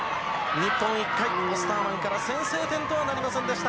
日本１回、オスターマンから先制点とはなりませんでした。